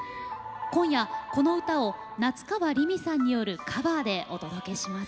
今夜この歌を夏川りみさんによるカバーでお届けします。